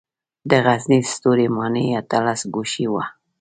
د غزني ستوري ماڼۍ اتلس ګوشې وه